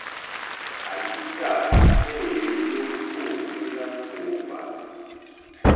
Àyíkâ méěyó ôténá kòòhwà.